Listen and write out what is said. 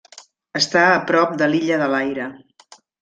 Està a prop de l'Illa de l'aire.